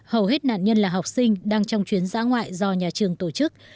hầu hết nạn nhân là học sinh đang trong chuyến giã ngoại do nhà trường tổ chức